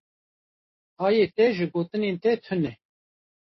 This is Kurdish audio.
Hayê te ji gotinên te tune.